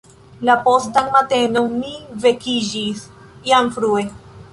La postan matenon mi vekiĝis jam frue.